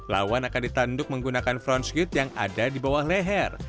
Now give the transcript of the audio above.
lawan akan ditanduk menggunakan front skit yang ada di bawah leher